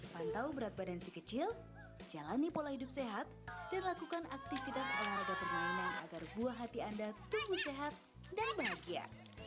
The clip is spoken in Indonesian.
pantau berat badan si kecil jalani pola hidup sehat dan lakukan aktivitas olahraga permainan agar buah hati anda tumbuh sehat dan bahagia